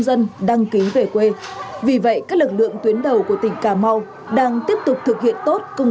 dân đăng ký về quê vì vậy các lực lượng tuyến đầu của tỉnh cà mau đang tiếp tục thực hiện tốt công